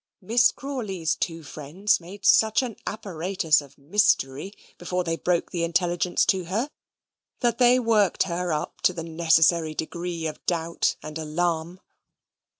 Miss Crawley's two friends made such an apparatus of mystery before they broke the intelligence to her, that they worked her up to the necessary degree of doubt and alarm.